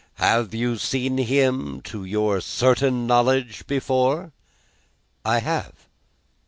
Have you seen him, to your certain knowledge, before?" "I have."